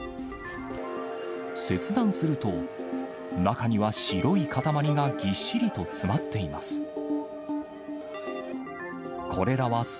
切断すると、中には白い塊がぎっしりと詰まっています。